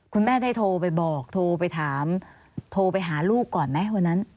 คุณแม่ได้โทรไปบอกโทรไปถามโทรไปหาลูกก่อนไหมวันนั้น